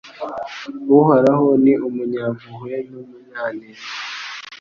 Uhoraho ni umunyampuhwe n’umunyaneza